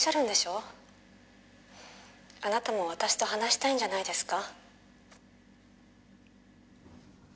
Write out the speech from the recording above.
「あなたも私と話したいんじゃないですか？」